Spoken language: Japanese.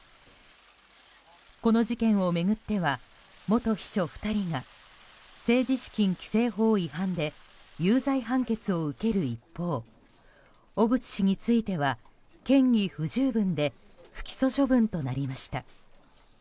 この事件を巡っては元秘書２人が政治資金規正法違反で有罪判決を受ける一方小渕氏については嫌疑不十分で不起訴処分となりました。